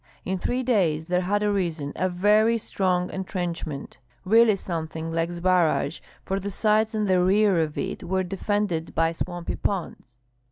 In three days there had arisen a very strong entrenchment, really something like Zbaraj, for the sides and the rear of it were defended by swampy ponds.